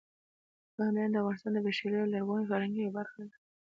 بامیان د افغانستان د بشري او لرغوني فرهنګ یوه برخه ده.